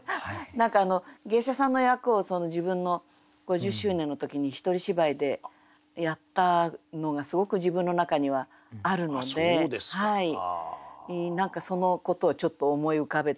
何か芸者さんの役を自分の５０周年の時に一人芝居でやったのがすごく自分の中にはあるので何かそのことをちょっと思い浮かべてしまいました。